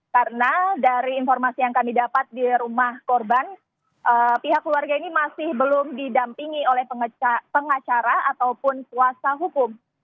karena dari informasi yang kami dapat di rumah korban pihak keluarga ini masih belum didampingi oleh pengacara ataupun kuasa hukum